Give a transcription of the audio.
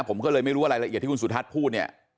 ผมก็เลยไม่รู้ว่ารายละเอียดที่คุณสุทัศน์พูดเนี่ย